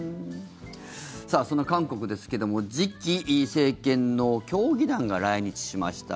さあ、そんな韓国ですけど次期政権の協議団が来日しました。